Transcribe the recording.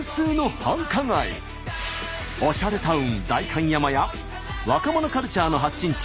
おしゃれタウン代官山や若者カルチャーの発信地